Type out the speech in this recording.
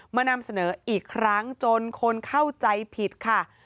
นำเสนออีกครั้งจนคนเข้าใจผิดค่ะ